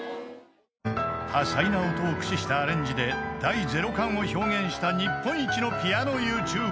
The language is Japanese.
［多彩な音を駆使したアレンジで『第ゼロ感』を表現した日本一のピアノＹｏｕＴｕｂｅｒ］